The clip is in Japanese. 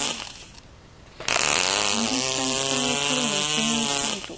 右下一帯を黒の厚みにしたいと。